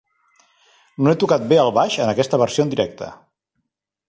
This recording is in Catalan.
No ha tocat bé el baix en aquesta versió en directe.